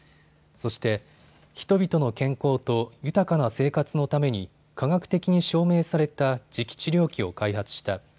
そして、人々の健康と豊かな生活のために科学的に証明された磁気治療器を開発した。